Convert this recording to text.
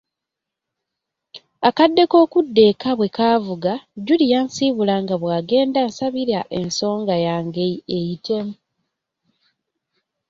Akadde k'okudda eka bwe kaavuga Julie yansiibula nga bw'agenda ansabira ensonga yange eyitemu.